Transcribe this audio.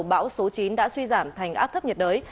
bão số chín đã suy giảm thành áp thấp nhiệt đới